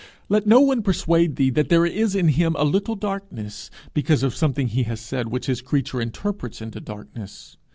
Let no one persuade thee that there is in him a little darkness, because of something he has said which his creature interprets into darkness.